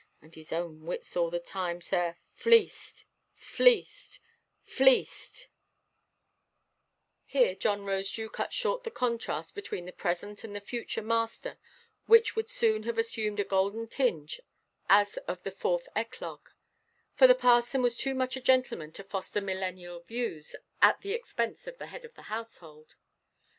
and his own wits all the time, sir, fleeced, fleeced, fleeced——" Here John Rosedew cut short the contrast between the present and the future master (which would soon have assumed a golden tinge as of the Fourth Eclogue), for the parson was too much a gentleman to foster millennial views at the expense of the head of the household.